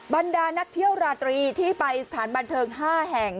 บรรดานักเที่ยวราตรีที่ไปสถานบันเทิง๕แห่ง